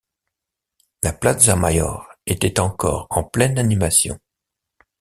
La Plaza-Mayor était encore en pleine animation.